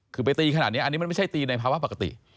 คือไปตีขนาดนี้อันนี้มันไม่ใช่ตีในภาวะปกติ